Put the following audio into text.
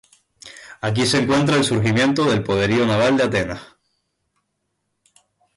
Aquí se encuentras el surgimiento del poderío naval de Atenas.